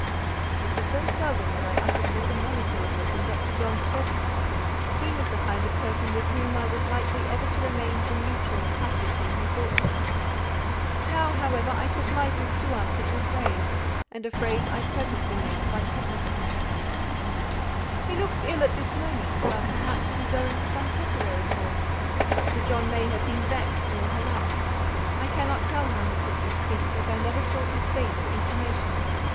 It was very seldom that I uttered more than monosyllables in Dr. John's presence; he was the kind of person with whom I was likely ever to remain the neutral, passive thing he thought me. Now, however, I took licence to answer in a phrase: and a phrase I purposely made quite significant. "He looks ill at this moment; but perhaps it is owing to some temporary cause: Dr. John may have been vexed or harassed." I cannot tell how he took this speech, as I never sought his face for information.